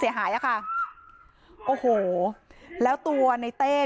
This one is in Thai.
มีชายแปลกหน้า๓คนผ่านมาทำทีเป็นช่วยค่างทาง